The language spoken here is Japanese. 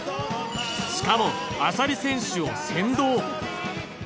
しかも、浅利選手を先導。